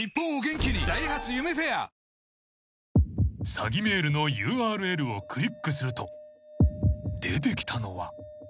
［詐欺メールのＵＲＬをクリックすると出てきたのは］